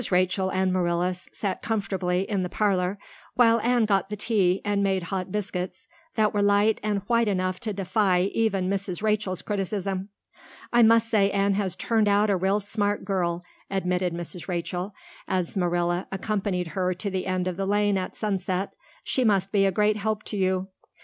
Rachel and Marilla sat comfortably in the parlor while Anne got the tea and made hot biscuits that were light and white enough to defy even Mrs. Rachel's criticism. "I must say Anne has turned out a real smart girl," admitted Mrs. Rachel, as Marilla accompanied her to the end of the lane at sunset. "She must be a great help to you."